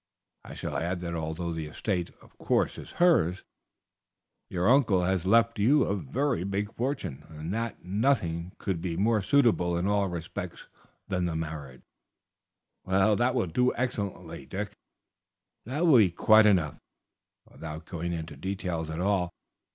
I shall add that although the estate, of course, is hers, your uncle has left you a very big fortune, and that nothing could be more suitable in all respects than the marriage." "That will do excellently, Dick; that will be quite enough, without going into details at all.